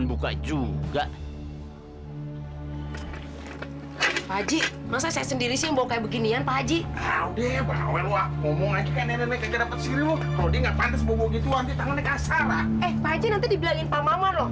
pak haji nanti dibilangin pak maman loh